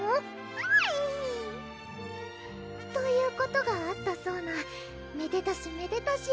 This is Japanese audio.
あい「ということがあったそうなめでたしめでたし」